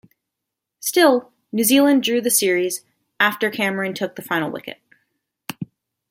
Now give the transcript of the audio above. Still, New Zealand drew the series, after Cameron took the final wicket.